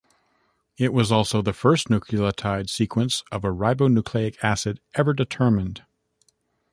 It was also the first nucleotide sequence of a ribonucleic acid ever determined.